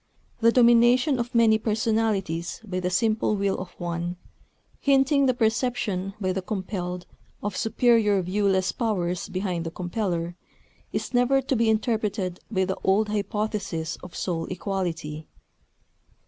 The domination of many personalities by the simple will of one, hinting the perception by the compelled of superior viewless powers behind the compeller, is never to be interpreted by the old hypothesis of soul equality.